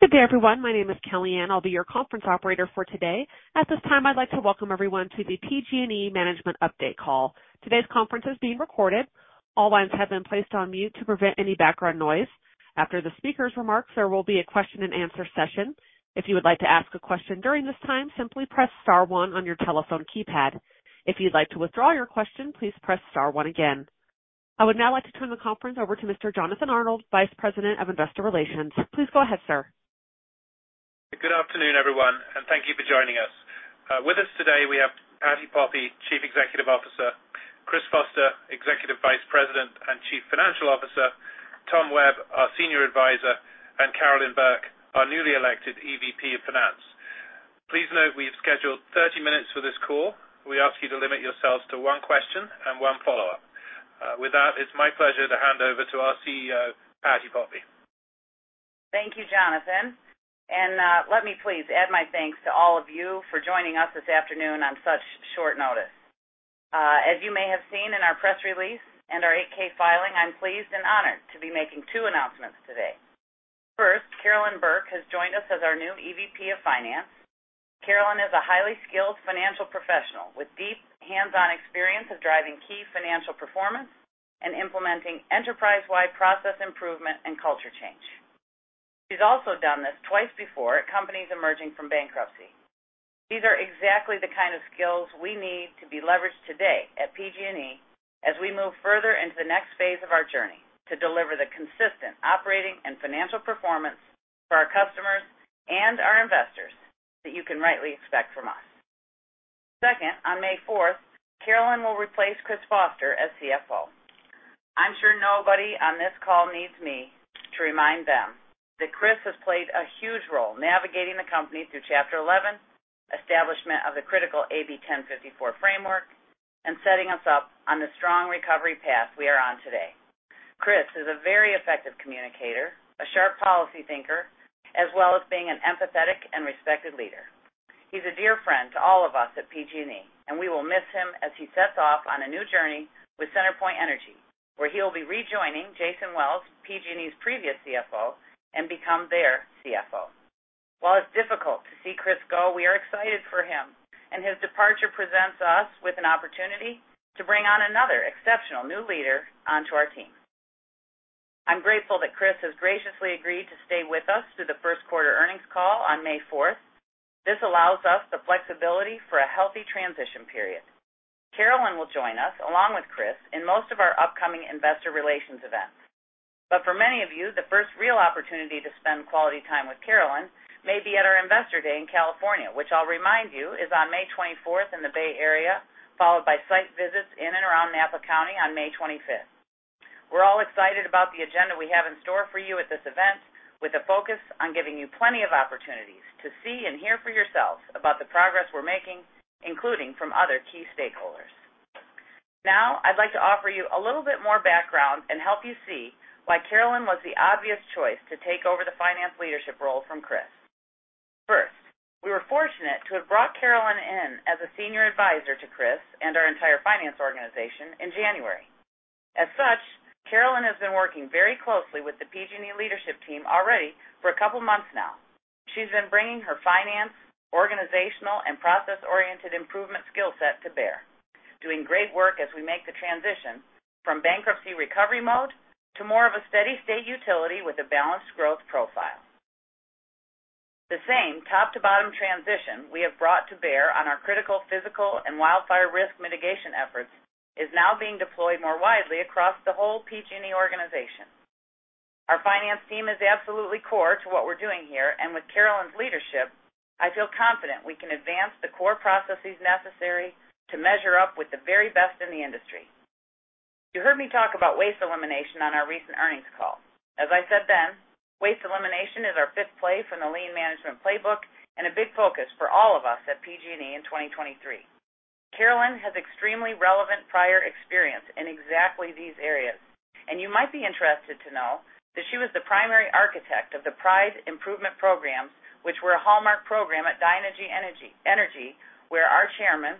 Good day, everyone. My name is Kellyanne. I'll be your Conference Operator for today. At this time, I'd like to welcome everyone to the PG&E Management Update Call. Today's conference is being recorded. All line s have been placed on mute to prevent any background noise. After the speaker's remarks, there will be a question-and-answer session. If you would like to ask a question during this time, simply press star one on your telephone keypad. If you'd like to withdraw your question, please press star one again. I would now like to turn the conference over to Mr. Jonathan Arnold, Vice President of Investor Relations. Please go ahead, sir. Good afternoon, everyone, and thank you for joining us. With us today, we have Patti Poppe, Chief Executive Officer; Chris Foster, Executive Vice President and Chief Financial Officer; Thomas Webb, our Senior Advisor; and Carolyn Burke, our newly elected EVP of Finance. Please note we have scheduled 30 minutes for this call. We ask you to limit yourselves to one question and one follow-up. With that, it's my pleasure to hand over to our CEO, Patti Poppe. Thank you, Jonathan, let me please add my thanks to all of you for joining us this afternoon on such short notice. As you may have seen in our press release and our 8-K filing, I'm pleased and honored to be making two announcements today. First, Carolyn Burke has joined us as our new EVP of Finance. Carolyn is a highly skilled financial professional with deep hands-on experience of driving key financial performance and implementing enterprise-wide process improvement and culture change. She's also done this twice before at companies emerging from bankruptcy. These are exactly the kind of skills we need to be leveraged today at PG&E as we move further into the next phase of our journey to deliver the consistent operating and financial performance for our customers and our investors that you can rightly expect from us. Second, on May fourth, Carolyn will replace Chris Foster as CFO. I'm sure nobody on this call needs me to remind them that Chris has played a huge role navigating the company through Chapter 11, establishment of the critical AB 1054 framework, and setting us up on the strong recovery path we are on today. Chris is a very effective communicator, a sharp policy thinker, as well as being an empathetic and respected leader. We will miss him as he sets off on a new journey with CenterPoint Energy, where he'll be rejoining Jason Wells, PG&E's previous CFO, and become their CFO. While it's difficult to see Chris go, we are excited for him, and his departure presents us with an opportunity to bring on another exceptional new leader onto our team. I'm grateful that Chris Foster has graciously agreed to stay with us through the first quarter earnings call on May 4th. This allows us the flexibility for a healthy transition period. Carolyn Burke will join us along with Chris Foster in most of our upcoming investor relations events. For many of you, the first real opportunity to spend quality time with Carolyn Burke may be at our Investor Day in California, which I'll remind you is on May 24th in the Bay Area, followed by site visits in and around Napa County on May 25th. We're all excited about the agenda we have in store for you at this event, with a focus on giving you plenty of opportunities to see and hear for yourselves about the progress we're making, including from other key stakeholders. I'd like to offer you a little bit more background and help you see why Carolyn was the obvious choice to take over the finance leadership role from Chris. First, we were fortunate to have brought Carolyn in as a senior advisor to Chris and our entire finance organization in January. As such, Carolyn has been working very closely with the PG&E leadership team already for a couple months now. She's been bringing her finance, organizational, and process-oriented improvement skill set to bear, doing great work as we make the transition from bankruptcy recovery mode to more of a steady state utility with a balanced growth profile. The same top-to-bottom transition we have brought to bear on our critical physical and wildfire risk mitigation efforts is now being deployed more widely across the whole PG&E organization. Our finance team is absolutely core to what we're doing here, and with Carolyn's leadership, I feel confident we can advance the core processes necessary to measure up with the very best in the industry. You heard me talk about waste elimination on our recent earnings call. As I said then, waste elimination is our fifth play from the Lean Management Playbook and a big focus for all of us at PG&E in 2023. Carolyn has extremely relevant prior experience in exactly these areas, and you might be interested to know that she was the primary architect of the PRIDE improvement programs, which were a hallmark program at Dynegy Inc., where our chairman,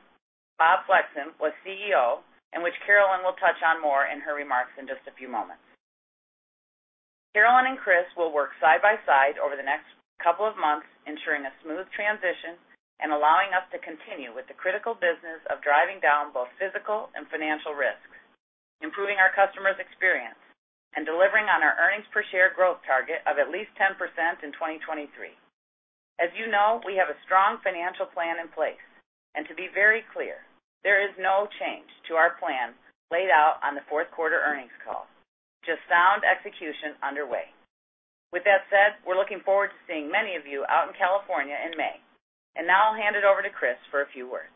Bob Flexon, was CEO and which Carolyn will touch on more in her remarks in just a few moments. Carolyn and Chris will work side by side over the next couple of months, ensuring a smooth transition and allowing us to continue with the critical business of driving down both physical and financial risks, improving our customers' experience, and delivering on our earnings per share growth target of at least 10% in 2023. As you know, we have a strong financial plan in place, and to be very clear, there is no change to our plans laid out on the fourth quarter earnings call, just sound execution underway. With that said, we're looking forward to seeing many of you out in California in May. Now I'll hand it over to Chris for a few words.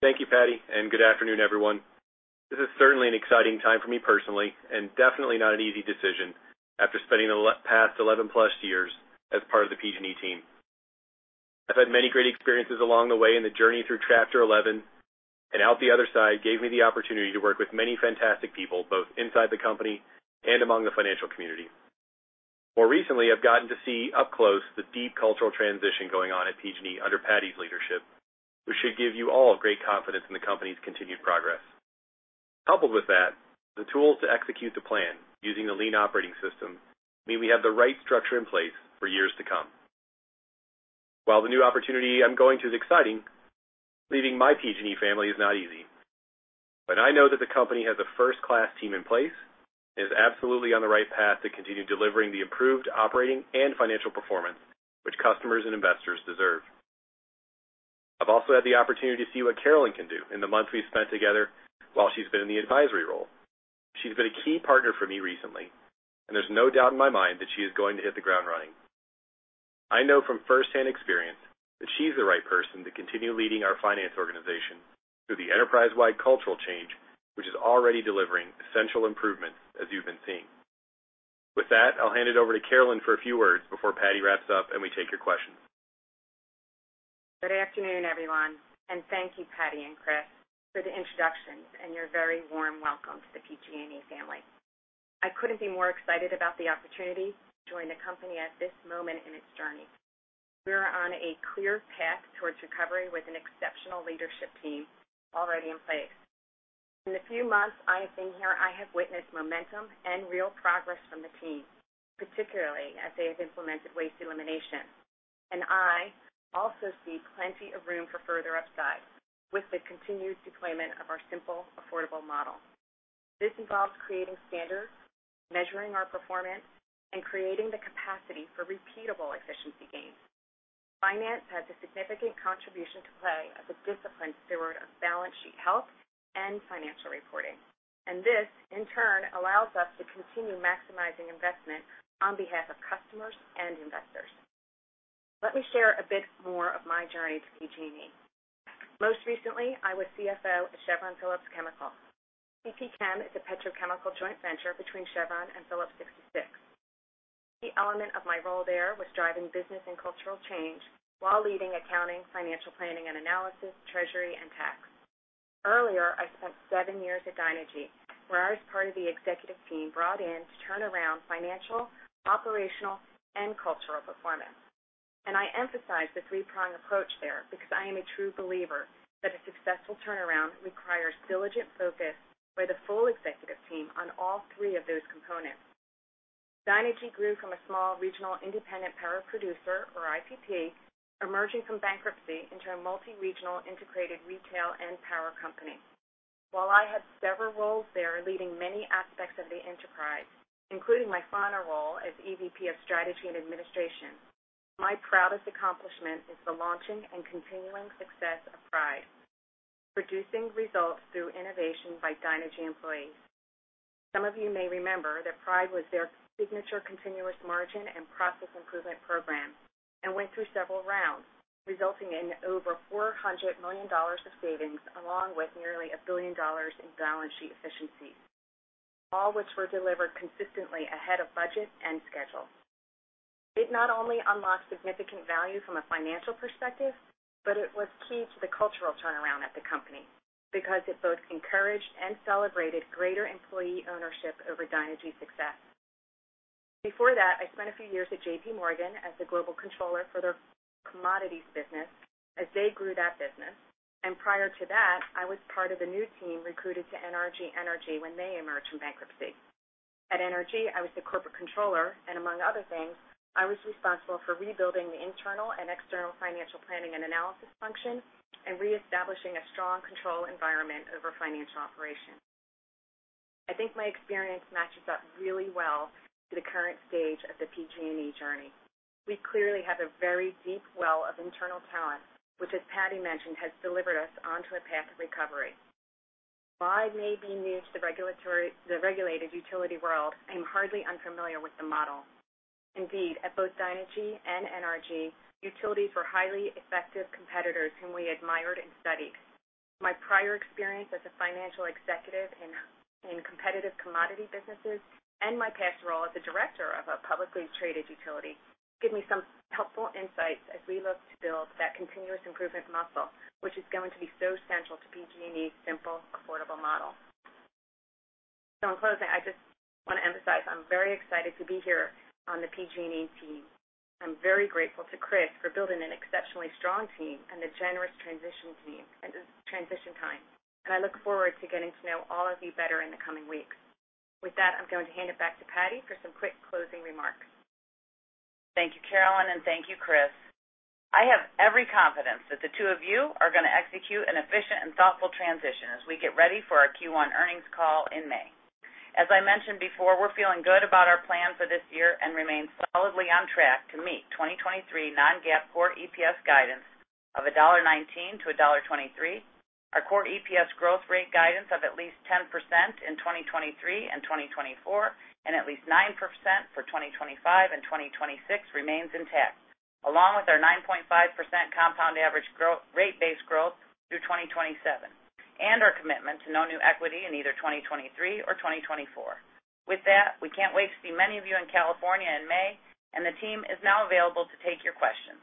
Thank you, Patti. Good afternoon, everyone. This is certainly an exciting time for me personally and definitely not an easy decision after spending the last past 11 plus years as part of the PG&E team. I've had many great experiences along the way in the journey through Chapter 11 and out the other side gave me the opportunity to work with many fantastic people, both inside the company and among the financial community. More recently, I've gotten to see up close the deep cultural transition going on at PG&E under Patti's leadership, which should give you all great confidence in the company's continued progress. Coupled with that, the tools to execute the plan using the lean operating system mean we have the right structure in place for years to come. While the new opportunity I'm going to is exciting, leaving my PG&E family is not easy, but I know that the company has a first-class team in place and is absolutely on the right path to continue delivering the improved operating and financial performance which customers and investors deserve. I've also had the opportunity to see what Carolyn can do in the month we've spent together while she's been in the advisory role. She's been a key partner for me recently, and there's no doubt in my mind that she is going to hit the ground running. I know from firsthand experience that she's the right person to continue leading our finance organization through the enterprise-wide cultural change, which is already delivering essential improvements, as you've been seeing. With that, I'll hand it over to Carolyn for a few words before Patti wraps up and we take your questions. Good afternoon, everyone. Thank you, Patti and Chris, for the introductions and your very warm welcome to the PG&E family. I couldn't be more excited about the opportunity to join the company at this moment in its journey. We are on a clear path towards recovery with an exceptional leadership team already in place. In the few months I have been here, I have witnessed momentum and real progress from the team, particularly as they have implemented waste elimination. I also see plenty of room for further upside with the continued deployment of our Simple, Affordable Model. This involves creating standards, measuring our performance, and creating the capacity for repeatable efficiency gains. Finance has a significant contribution to play as a disciplined steward of balance sheet health and financial reporting. This, in turn, allows us to continue maximizing investment on behalf of customers and investors. Let me share a bit more of my journey to PG&E. Most recently, I was CFO at Chevron Phillips Chemical. CP Chem is a petrochemical joint venture between Chevron and Phillips 66. The element of my role there was driving business and cultural change while leading accounting, financial planning and analysis, treasury and tax. Earlier, I spent seven years at Dynegy, where I was part of the executive team brought in to turn around financial, operational, and cultural performance. I emphasize the three-prong approach there because I am a true believer that a successful turnaround requires diligent focus by the full executive team on all three of those components. Dynegy grew from a small regional independent power producer, or IPP, emerging from bankruptcy into a multi-regional integrated retail and power company. While I had several roles there, leading many aspects of the enterprise, including my final role as EVP of Strategy and Administration, my proudest accomplishment is the launching and continuing success of PRIDE, Producing Results through Innovation by Dynegy Employees. Some of you may remember that PRIDE was their signature continuous margin and process improvement program and went through several rounds, resulting in over $400 million of savings, along with nearly $1 billion in balance sheet efficiency, all which were delivered consistently ahead of budget and schedule. It not only unlocked significant value from a financial perspective, but it was key to the cultural turnaround at the company because it both encouraged and celebrated greater employee ownership over Dynegy's success. Before that, I spent a few years at JPMorgan as the global controller for their commodities business as they grew that business. Prior to that, I was part of the new team recruited to NRG Energy when they emerged from bankruptcy. At NRG, I was the corporate controller, and among other things, I was responsible for rebuilding the internal and external financial planning and analysis function and reestablishing a strong control environment over financial operations. I think my experience matches up really well to the current stage of the PG&E journey. We clearly have a very deep well of internal talent, which, as Patty mentioned, has delivered us onto a path of recovery. While I may be new to the regulated utility world, I'm hardly unfamiliar with the model. Indeed, at both Dynegy and NRG, utilities were highly effective competitors whom we admired and studied. My prior experience as a financial executive in competitive commodity businesses and my past role as a director of a publicly traded utility give me some helpful insights as we look to build that continuous improvement muscle, which is going to be so central to PG&E's Simple, Affordable Model. In closing, I just want to emphasize I'm very excited to be here on the PG&E team. I'm very grateful to Chris for building an exceptionally strong team and the generous transition time, and I look forward to getting to know all of you better in the coming weeks. With that, I'm going to hand it back to Patti for some quick closing remarks. Thank you, Carolyn, and thank you, Chris. I have every confidence that the two of you are gonna execute an efficient and thoughtful transition as we get ready for our Q1 earnings call in May. As I mentioned before, we're feeling good about our plans for this year and remain solidly on track to meet 2023 non-GAAP core EPS guidance of $1.19-1.23. Our core EPS growth rate guidance of at least 10% in 2023 and 2024 and at least 9% for 2025 and 2026 remains intact, along with our 9.5% compound average rate base growth through 2027 and our commitment to no new equity in either 2023 or 2024. With that, we can't wait to see many of you in California in May. The team is now available to take your questions.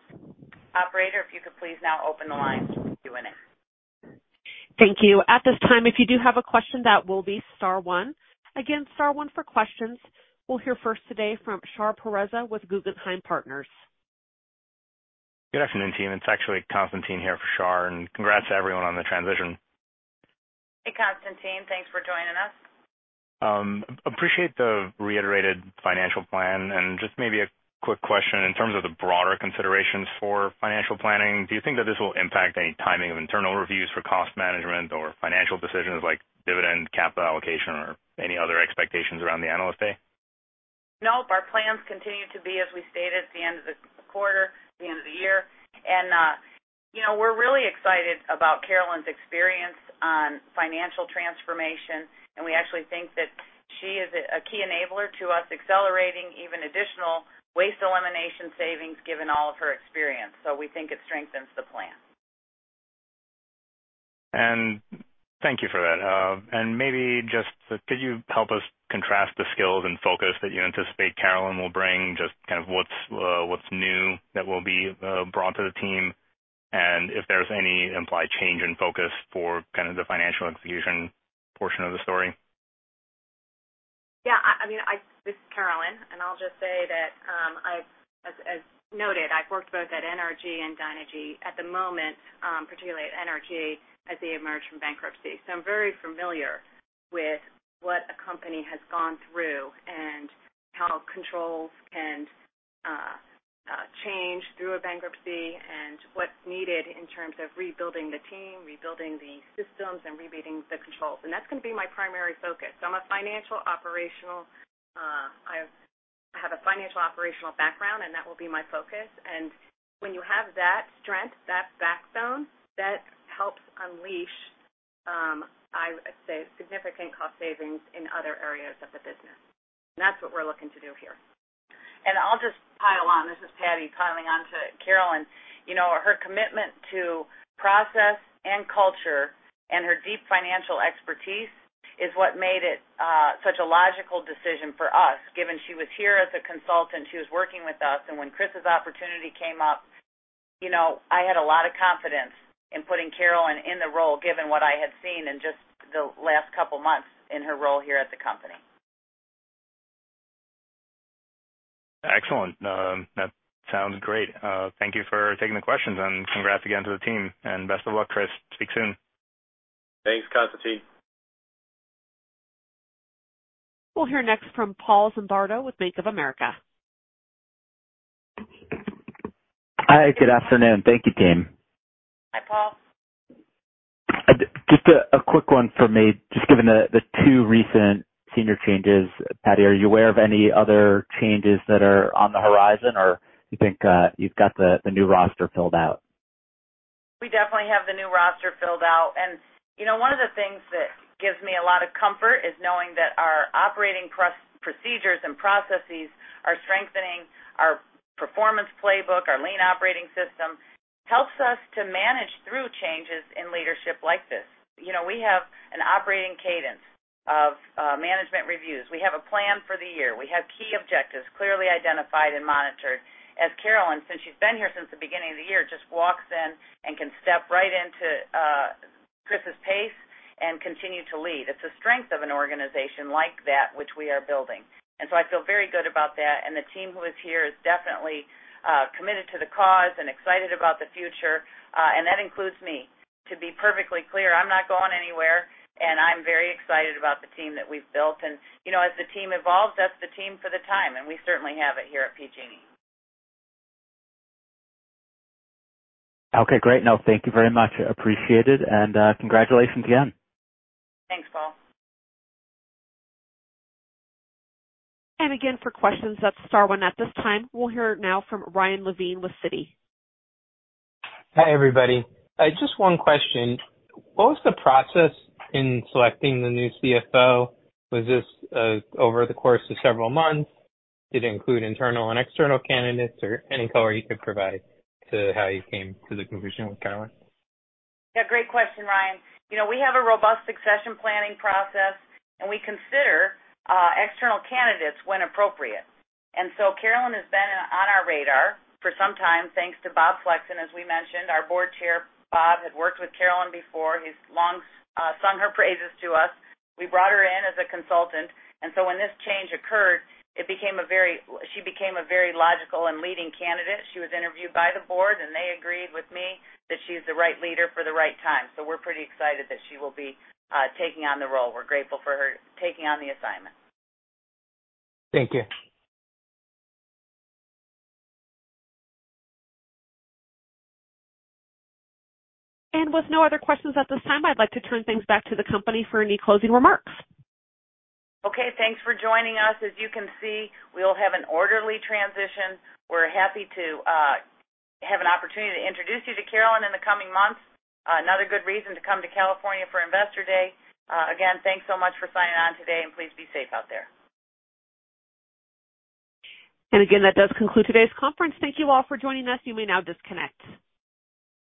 Operator, if you could please now open the lines for Q&A. Thank you. At this time, if you do have a question, that will be star one. Again, star one for questions. We'll hear first today from Shahriar Pourreza with Guggenheim Partners. Good afternoon, team. It's actually Constantine here for Char, and congrats to everyone on the transition. Hey, Constantine. Thanks for joining us. Appreciate the reiterated financial plan. Just maybe a quick question. In terms of the broader considerations for financial planning, do you think that this will impact any timing of internal reviews for cost management or financial decisions like dividend, capital allocation, or any other expectations around the Analyst Day? Nope. Our plans continue to be, as we stated at the end of the quarter, the end of the year. you know, we're really excited about Carolyn's experience on financial transformation, and we actually think that she is a key enabler to us accelerating even additional waste elimination savings given all of her experience. We think it strengthens the plan. Thank you for that. Maybe just could you help us contrast the skills and focus that you anticipate Carolyn will bring, just kind of what's new that will be brought to the team and if there's any implied change in focus for kind of the financial execution portion of the story? I mean, this is Carolyn. I'll just say that, as noted, I've worked both at NRG and Dynegy. At the moment, particularly at NRG as they emerge from bankruptcy. I'm very familiar with what a company has gone through and how controls can change through a bankruptcy and what's needed in terms of rebuilding the team, rebuilding the systems, and rebuilding the controls. That's going to be my primary focus. I'm a financial operational. I have a financial operational background. That will be my focus. When you have that strength, that backbone, that helps unleash, I would say significant cost savings in other areas of the business. That's what we're looking to do here. I'll just pile on. This is Patti piling on to Carolyn Burke. You know, her commitment to process and culture and her deep financial expertise is what made it such a logical decision for us, given she was here as a consultant, she was working with us, and when Chris Foster's opportunity came up, you know, I had a lot of confidence in putting Carolyn Burke in the role, given what I had seen in just the last couple months in her role here at the company. Excellent. That sounds great. Thank you for taking the questions and congrats again to the team. Best of luck, Chris. Speak soon. Thanks, Constantine. We'll hear next from Paul Zimbardo with Bank of America. Hi, good afternoon. Thank you, team. Hi, Paul. Just a quick one for me. Just given the two recent senior changes, Patti, are you aware of any other changes that are on the horizon, or you think you've got the new roster filled out? We definitely have the new roster filled out. you know, one of the things that gives me a lot of comfort is knowing that our operating procedures and processes are strengthening our performance playbook. Our lean operating system helps us to manage through changes in leadership like this. You know, we have an operating cadence of management reviews. We have a plan for the year. We have key objectives clearly identified and monitored. As Carolyn, since she's been here since the beginning of the year, just walks in and can step right into Chris's pace and continue to lead. It's a strength of an organization like that which we are building. I feel very good about that. The team who is here is definitely committed to the cause and excited about the future. That includes me, to be perfectly clear, I'm not going anywhere, and I'm very excited about the team that we've built. You know, as the team evolves, that's the team for the time, and we certainly have it here at PG&E. Okay, great. No, thank you very much. Appreciate it. Congratulations again. Thanks, Paul. Again for questions, that's star one at this time. We'll hear now from Ryan Levine with Citi. Hi, everybody. Just one question. What was the process in selecting the new CFO? Was this over the course of several months? Did it include internal and external candidates? Or any color you could provide to how you came to the conclusion with Carolyn? Yeah, great question, Ryan. You know, we have a robust succession planning process, and we consider external candidates when appropriate. Carolyn has been on our radar for some time thanks to Bob Flexon. As we mentioned, our board chair, Bob, had worked with Carolyn before. He's long sung her praises to us. We brought her in as a consultant, when this change occurred, she became a very logical and leading candidate. She was interviewed by the board. They agreed with me that she's the right leader for the right time. We're pretty excited that she will be taking on the role. We're grateful for her taking on the assignment. Thank you. With no other questions at this time, I'd like to turn things back to the company for any closing remarks. Okay, thanks for joining us. As you can see, we'll have an orderly transition. We're happy to have an opportunity to introduce you to Carolyn in the coming months. Another good reason to come to California for Investor Day. Again, thanks so much for signing on today, and please be safe out there. Again, that does conclude today's conference. Thank you all for joining us. You may now disconnect.